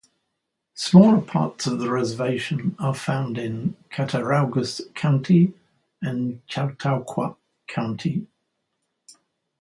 Smaller parts of the reservation are found in Cattaraugus County and Chautauqua County.